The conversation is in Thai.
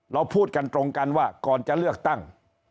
เราพูดกันตรงกันว่าก่อนจะเลือกตั้ง